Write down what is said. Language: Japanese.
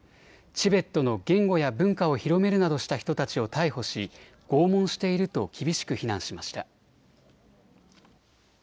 チベットの言語や文化を広めるなどした人たちを逮捕し拷問していると厳しく非難しました。